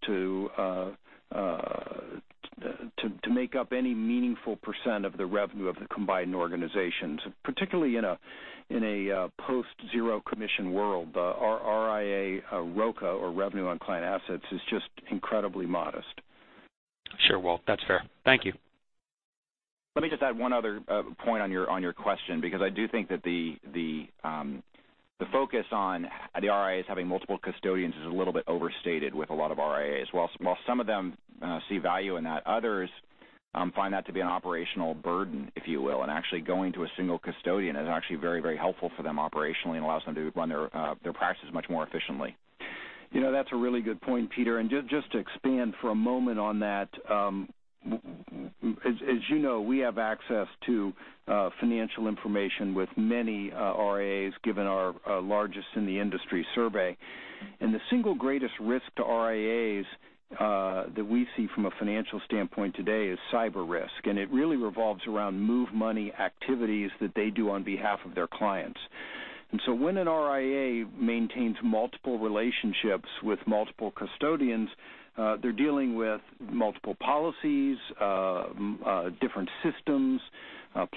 to make up any meaningful percent of the revenue of the combined organizations, particularly in a post-zero commission world. Our RIA ROCA, or revenue on client assets, is just incredibly modest.
Sure, Walt, that's fair. Thank you.
Let me just add one other point on your question, because I do think that the focus on the RIAs having multiple custodians is a little bit overstated with a lot of RIAs. While some of them see value in that, others find that to be an operational burden, if you will, and actually going to a single custodian is actually very helpful for them operationally and allows them to run their practices much more efficiently.
That's a really good point, Peter, and just to expand for a moment on that. As you know, we have access to financial information with many RIAs, given our largest-in-the-industry survey. The single greatest risk to RIAs that we see from a financial standpoint today is cyber risk, and it really revolves around move money activities that they do on behalf of their clients. When an RIA maintains multiple relationships with multiple custodians, they're dealing with multiple policies, different systems,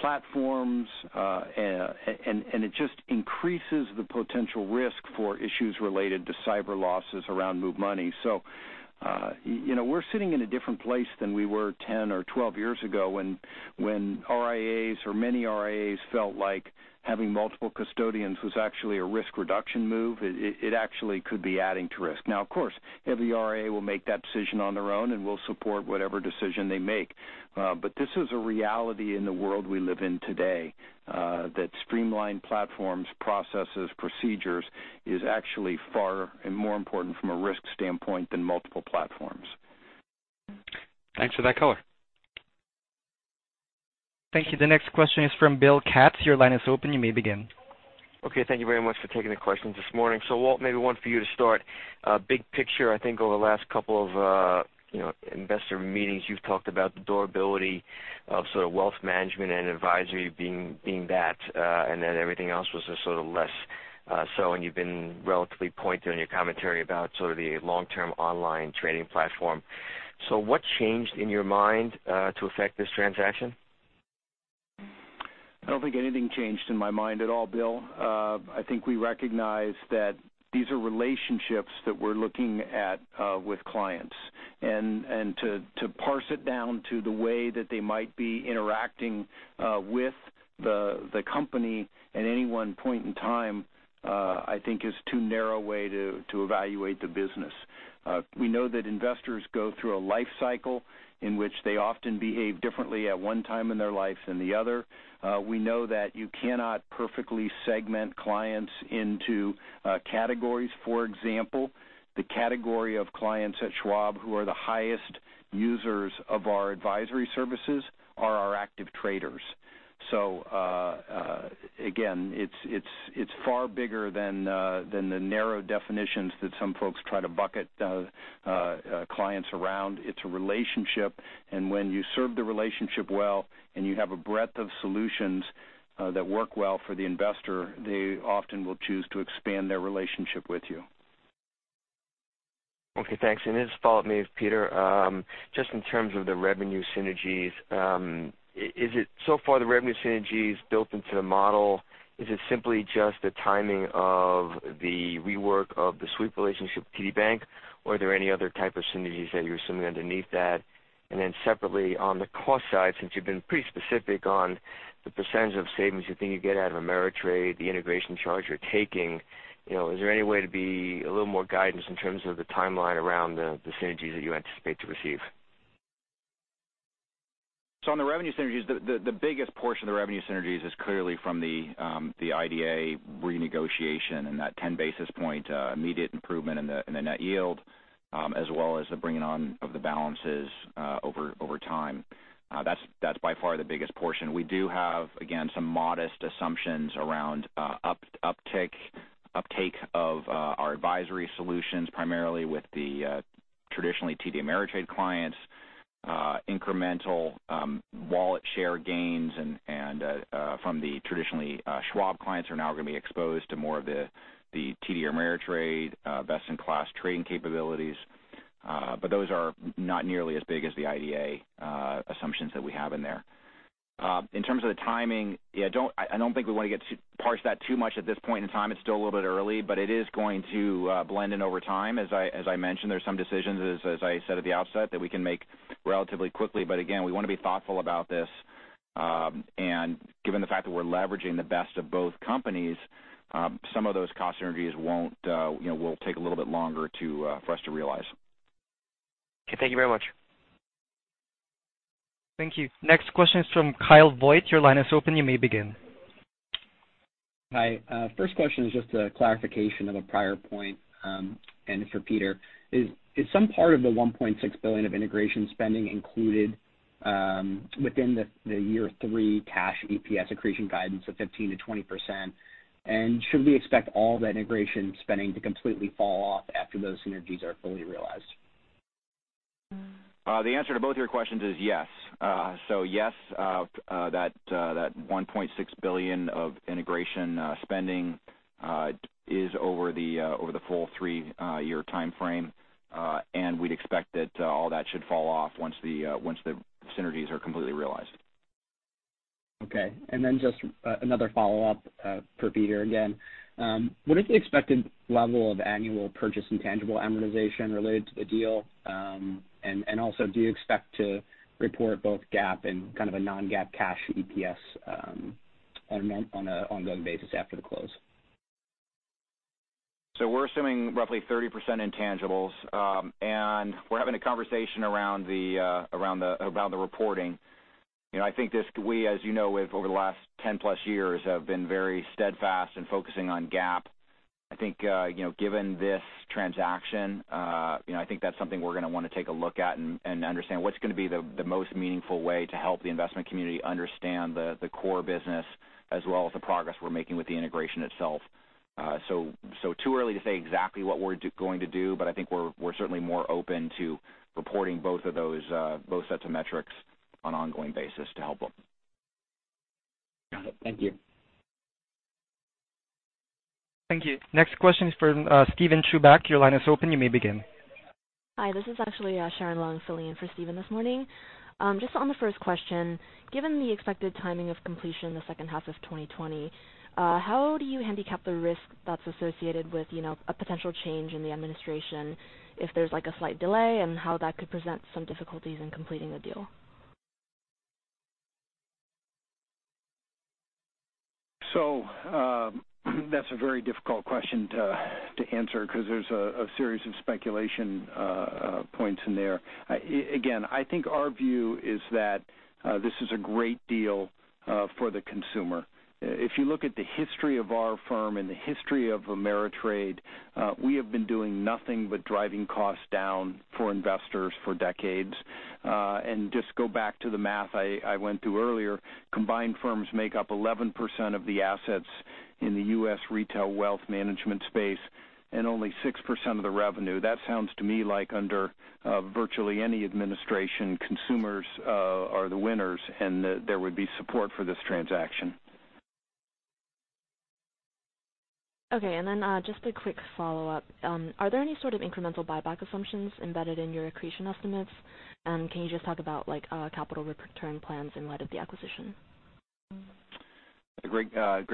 platforms, and it just increases the potential risk for issues related to cyber losses around move money. We're sitting in a different place than we were 10 or 12 years ago when RIAs, or many RIAs, felt like having multiple custodians was actually a risk reduction move. It actually could be adding to risk. Of course, every RIA will make that decision on their own, and we'll support whatever decision they make. This is a reality in the world we live in today that streamlined platforms, processes, procedures is actually far and more important from a risk standpoint than multiple platforms.
Thanks for that color.
Thank you. The next question is from Bill Katz. Your line is open. You may begin.
Okay, thank you very much for taking the questions this morning. Walt, maybe one for you to start. Big picture, I think over the last couple of investor meetings, you've talked about the durability of sort of wealth management and advisory being that, and then everything else was just sort of less so, and you've been relatively pointed in your commentary about sort of the long-term online trading platform. What changed in your mind to affect this transaction?
I don't think anything changed in my mind at all, Bill. I think we recognize that these are relationships that we're looking at with clients. To parse it down to the way that they might be interacting with the company at any one point in time, I think is too narrow a way to evaluate the business. We know that investors go through a life cycle in which they often behave differently at one time in their life than the other. We know that you cannot perfectly segment clients into categories. For example, the category of clients at Schwab who are the highest users of our advisory services are our active traders. Again, it's far bigger than the narrow definitions that some folks try to bucket clients around. It's a relationship, and when you serve the relationship well and you have a breadth of solutions that work well for the investor, they often will choose to expand their relationship with you.
Okay, thanks. This follow-up may have Peter. Just in terms of the revenue synergies, so far the revenue synergies built into the model, is it simply just the timing of the rework of the sweep relationship with TD Bank, or are there any other type of synergies that you're assuming underneath that? Separately, on the cost side, since you've been pretty specific on the percent of savings you think you get out of Ameritrade, the integration charge you're taking, is there any way to be a little more guidance in terms of the timeline around the synergies that you anticipate to receive?
On the revenue synergies, the biggest portion of the revenue synergies is clearly from the IDA renegotiation and that 10 basis point immediate improvement in the net yield, as well as the bringing on of the balances over time. That's by far the biggest portion. We do have, again, some modest assumptions around uptake of our advisory solutions, primarily with the traditionally TD Ameritrade clients. Incremental wallet share gains from the traditionally Schwab clients are now going to be exposed to more of the TD Ameritrade best-in-class trading capabilities. Those are not nearly as big as the IDA assumptions that we have in there. In terms of the timing, I don't think we want to parse that too much at this point in time. It's still a little bit early, but it is going to blend in over time. As I mentioned, there's some decisions, as I said at the outset, that we can make relatively quickly. Again, we want to be thoughtful about this. Given the fact that we're leveraging the best of both companies, some of those cost synergies will take a little bit longer for us to realize.
Okay. Thank you very much.
Thank you. Next question is from Kyle Voigt. Your line is open, you may begin.
Hi. First question is just a clarification of a prior point, and it's for Peter. Is some part of the $1.6 billion of integration spending included within the year three cash EPS accretion guidance of 15%-20%? Should we expect all that integration spending to completely fall off after those synergies are fully realized?
The answer to both of your questions is yes. Yes, that $1.6 billion of integration spending is over the full three-year timeframe. We'd expect that all that should fall off once the synergies are completely realized.
Okay. Then just another follow-up for Peter again. What is the expected level of annual purchase intangible amortization related to the deal? Also, do you expect to report both GAAP and kind of a non-GAAP cash EPS on an ongoing basis after the close?
We're assuming roughly 30% intangibles. We're having a conversation around the reporting. We, as you know, over the last 10+ years, have been very steadfast in focusing on GAAP. I think given this transaction, I think that's something we're going to want to take a look at and understand what's going to be the most meaningful way to help the investment community understand the core business as well as the progress we're making with the integration itself. Too early to say exactly what we're going to do, but I think we're certainly more open to reporting both sets of metrics on an ongoing basis to help them.
Got it. Thank you.
Thank you. Next question is from Steven Chubak. Your line is open, you may begin.
Hi, this is actually Sharon Leung filling in for Steven this morning. On the first question, given the expected timing of completion the second half of 2020, how do you handicap the risk that's associated with a potential change in the administration if there's a slight delay, and how that could present some difficulties in completing the deal?
That's a very difficult question to answer because there's a series of speculation points in there. Again, I think our view is that this is a great deal for the consumer. If you look at the history of our firm and the history of Ameritrade, we have been doing nothing but driving costs down for investors for decades. Just go back to the math I went through earlier, combined firms make up 11% of the assets in the U.S. retail wealth management space and only 6% of the revenue. That sounds to me like under virtually any administration, consumers are the winners and that there would be support for this transaction.
Okay, just a quick follow-up. Are there any sort of incremental buyback assumptions embedded in your accretion estimates? Can you just talk about capital return plans in light of the acquisition?
That's a great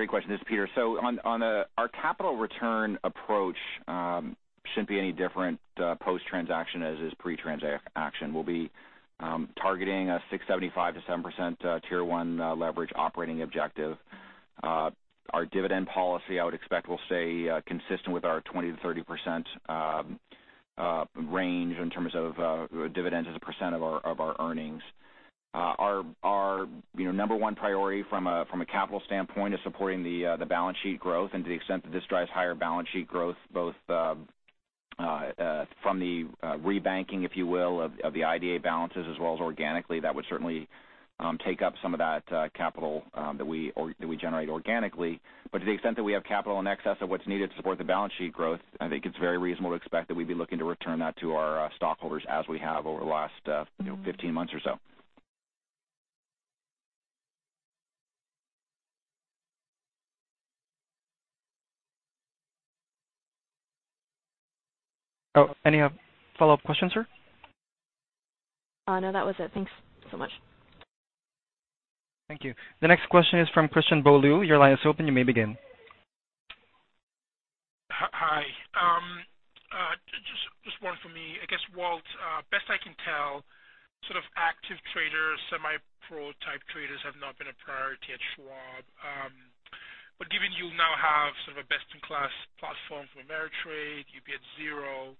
question. This is Peter. On our capital return approach, shouldn't be any different post-transaction as is pre-transaction. We'll be targeting a 6.75%-7% Tier 1 leverage operating objective. Our dividend policy, I would expect, will stay consistent with our 20%-30% range in terms of dividends as a percent of our earnings. Our number one priority from a capital standpoint is supporting the balance sheet growth and to the extent that this drives higher balance sheet growth, both from the rebankings, if you will, of the IDA balances as well as organically, that would certainly take up some of that capital that we generate organically. To the extent that we have capital in excess of what's needed to support the balance sheet growth, I think it's very reasonable to expect that we'd be looking to return that to our stockholders as we have over the last 15 months or so.
Oh, any follow-up questions, sir?
No, that was it. Thanks so much.
Thank you. The next question is from Christian Bolu. Your line is open, you may begin.
Hi. Just one from me. I guess, Walt, best I can tell, sort of active traders, semi-pro type traders have not been a priority at Schwab. Given you now have sort of a best-in-class platform for Ameritrade, you get zero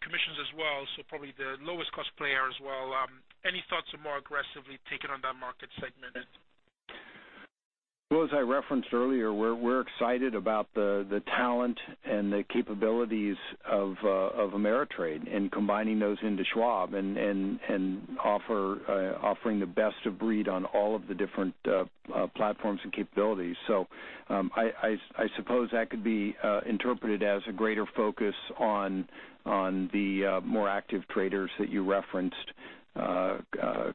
commissions as well, so probably the lowest cost player as well. Any thoughts of more aggressively taking on that market segment?
As I referenced earlier, we're excited about the talent and the capabilities of Ameritrade and combining those into Schwab and offering the best of breed on all of the different platforms and capabilities. I suppose that could be interpreted as a greater focus on the more active traders that you referenced,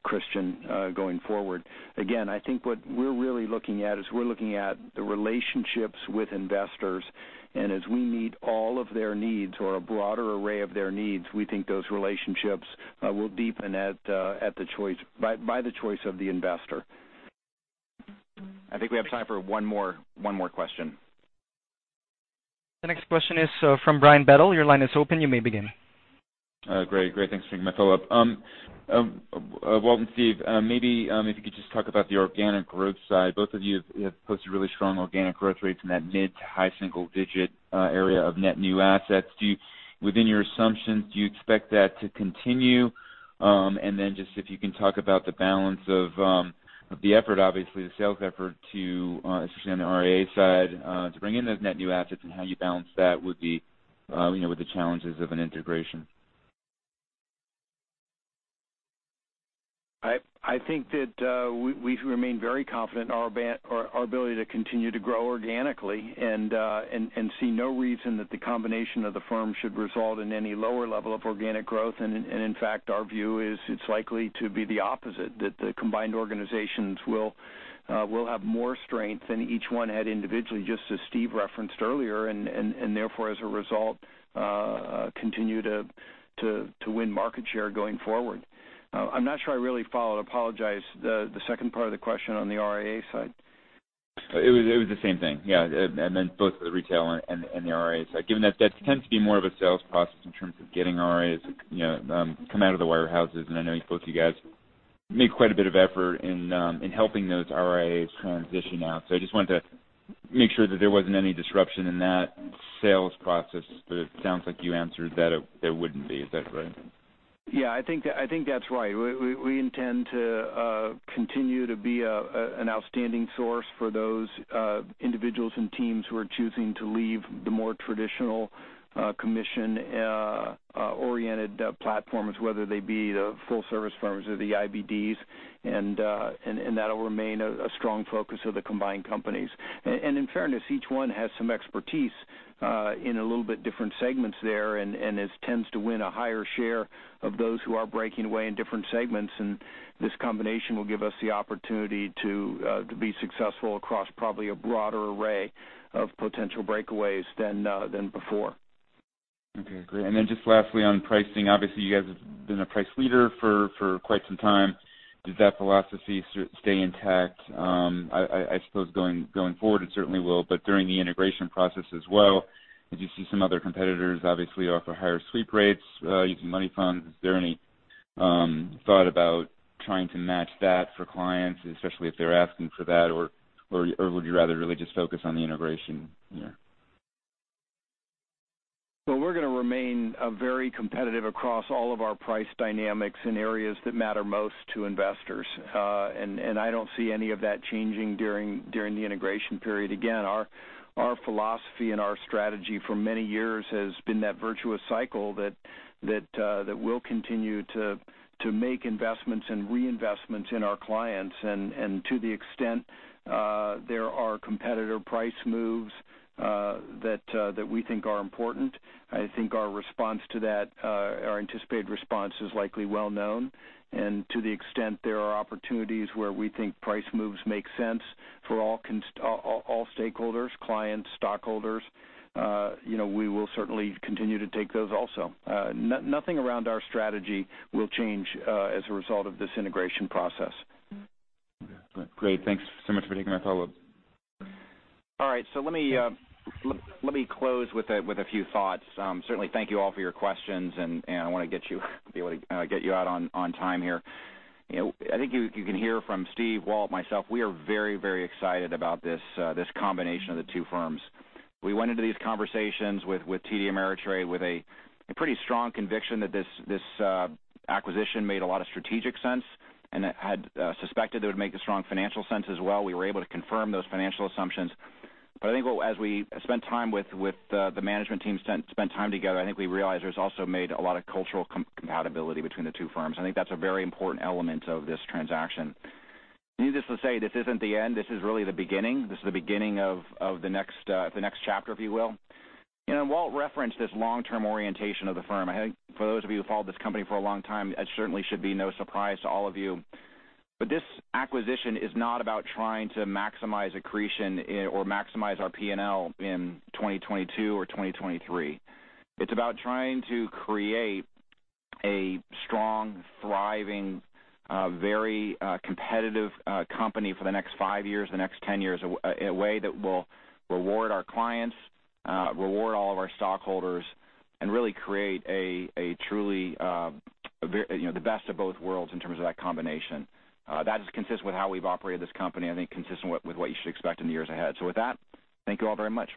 Christian, going forward. Again, I think what we're really looking at is we're looking at the relationships with investors, and as we meet all of their needs or a broader array of their needs, we think those relationships will deepen by the choice of the investor.
I think we have time for one more question.
The next question is from Brian Bedell. Your line is open. You may begin.
Great. Thanks for taking my follow-up. Walt and Steve, maybe if you could just talk about the organic growth side. Both of you have posted really strong organic growth rates in that mid to high single-digit area of net new assets. Within your assumptions, do you expect that to continue? Just if you can talk about the balance of the effort, obviously, the sales effort to, especially on the RIA side, to bring in those net new assets and how you balance that with the challenges of an integration.
I think that we remain very confident in our ability to continue to grow organically and see no reason that the combination of the firms should result in any lower level of organic growth. In fact, our view is it's likely to be the opposite, that the combined organizations will have more strength than each one had individually, just as Steve referenced earlier, and therefore, as a result, continue to win market share going forward. I'm not sure I really followed, apologize, the second part of the question on the RIA side.
It was the same thing, yeah. Both the retail and the RIA side, given that that tends to be more of a sales process in terms of getting RIAs to come out of the wirehouses, and I know both you guys made quite a bit of effort in helping those RIAs transition out. I just wanted to make sure that there wasn't any disruption in that sales process, but it sounds like you answered that there wouldn't be. Is that right?
Yeah, I think that's right. We intend to continue to be an outstanding source for those individuals and teams who are choosing to leave the more traditional commission-oriented platforms, whether they be the full service firms or the IBDs. That'll remain a strong focus of the combined companies. In fairness, each one has some expertise in a little bit different segments there, and it tends to win a higher share of those who are breaking away in different segments. This combination will give us the opportunity to be successful across probably a broader array of potential breakaways than before.
Okay, great. Then just lastly, on pricing, obviously, you guys have been a price leader for quite some time. Does that philosophy stay intact? I suppose going forward, it certainly will, but during the integration process as well, as you see some other competitors obviously offer higher sweep rates using money funds, is there any thought about trying to match that for clients, especially if they're asking for that, or would you rather really just focus on the integration? Yeah.
Well, we're going to remain very competitive across all of our price dynamics in areas that matter most to investors, and I don't see any of that changing during the integration period. Again, our philosophy and our strategy for many years has been that virtuous cycle that we'll continue to make investments and reinvestments in our clients, and to the extent there are competitor price moves that we think are important, I think our anticipated response is likely well known. To the extent there are opportunities where we think price moves make sense for all stakeholders, clients, stockholders, we will certainly continue to take those also. Nothing around our strategy will change as a result of this integration process.
Great. Thanks so much for taking my follow-up.
All right. Let me close with a few thoughts. Certainly, thank you all for your questions, and I want to be able to get you out on time here. I think you can hear from Steve, Walt, myself, we are very excited about this combination of the two firms. We went into these conversations with TD Ameritrade with a pretty strong conviction that this acquisition made a lot of strategic sense, and had suspected it would make a strong financial sense as well. We were able to confirm those financial assumptions. I think as we spent time with the management team, spent time together, I think we realized there's also made a lot of cultural compatibility between the two firms. I think that's a very important element of this transaction. Needless to say, this isn't the end. This is really the beginning. This is the beginning of the next chapter, if you will. Walt referenced this long-term orientation of the firm. I think for those of you who followed this company for a long time, that certainly should be no surprise to all of you. This acquisition is not about trying to maximize accretion or maximize our P&L in 2022 or 2023. It's about trying to create a strong, thriving, very competitive company for the next five years, the next 10 years, in a way that will reward our clients, reward all of our stockholders, and really create the best of both worlds in terms of that combination. That is consistent with how we've operated this company, I think consistent with what you should expect in the years ahead. With that, thank you all very much.